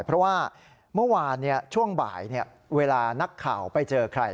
เพราะว่าเมื่อวานช่วงบ่ายเวลานักข่าวไปเจอใคร